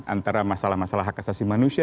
antara masalah masalah hak asasi manusia